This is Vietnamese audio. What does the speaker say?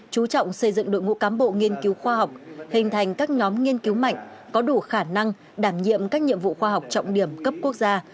chú trọng xây dựng đội ngũ cán bộ nghiên cứu khoa học hình thành các nhóm nghiên cứu mạnh có đủ khả năng đảm nhiệm các nhiệm vụ khoa học trọng điểm cấp quốc gia